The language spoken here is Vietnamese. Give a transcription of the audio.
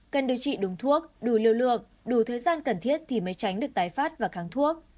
cần điều trị đúng thuốc đủ liều lượng đủ thời gian cần thiết thì mới tránh được tái phát và kháng thuốc